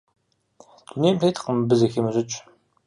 Дунейм теткъым абы зыхимыщӀыкӀ.